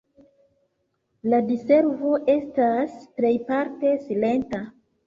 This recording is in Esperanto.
La diservo estas plejparte silenta.